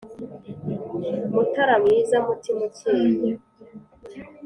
mutara mwiza mutima ucyeye